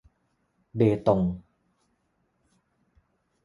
เบตง